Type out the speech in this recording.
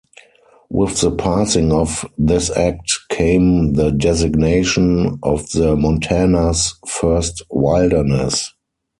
With the passing of this Act came the designation of the Montana's first Wilderness.